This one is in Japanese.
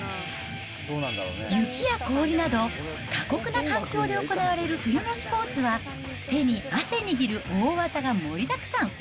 雪や氷など、過酷な環境で行われる冬のスポーツは、手に汗握る大技が盛りだくさん。